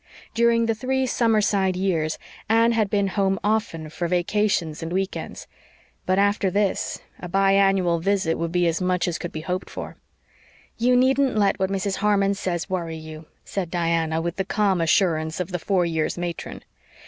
During the three Summerside years Anne had been home often for vacations and weekends; but, after this, a bi annual visit would be as much as could be hoped for. "You needn't let what Mrs. Harmon says worry you," said Diana, with the calm assurance of the four years matron.